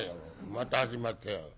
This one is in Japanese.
「また始まったよ。